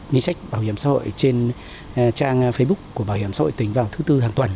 nghi sách bảo hiểm xã hội trên trang facebook của bảo hiểm xã hội tỉnh vào thứ tư hàng tuần